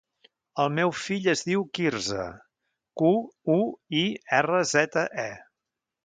El meu fill es diu Quirze: cu, u, i, erra, zeta, e.